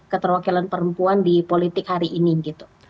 keterwakilan perempuan di politik hari ini gitu